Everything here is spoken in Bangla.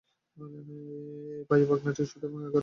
পায়ু-পাখনাটি ছোট এবং এগারো থেকে চৌদ্দ রশ্মি নিয়ে গঠিত।